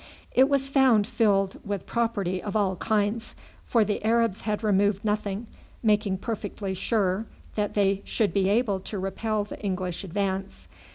It was found filled with property of all kinds; for the Arabs had removed nothing, making perfectly sure that they should be able to repel the English advance.